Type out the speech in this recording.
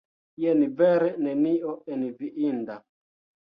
Jen vere nenio enviinda!